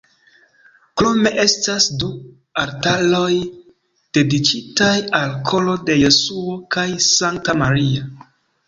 Krome estas du altaroj dediĉitaj al Koro de Jesuo kaj Sankta Maria.